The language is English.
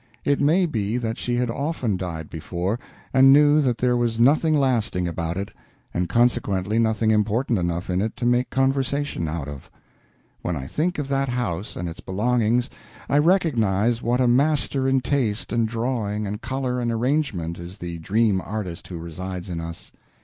It may be that she had often died before, and knew that there was nothing lasting about it, and consequently nothing important enough in it to make conversation out of. When I think of that house and its belongings, I recognize what a master in taste and drawing and color and arrangement is the dream artist who resides in us.